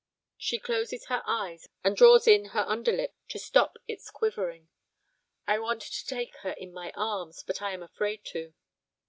she closes her eyes and draws in her under lip to stop its quivering. I want to take her in my arms, but I am afraid to.